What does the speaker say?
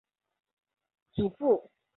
祖父蔡文兴。